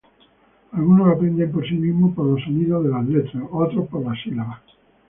Algunos aprenden por sí mismos por los sonidos de las letras, otros por sílabas.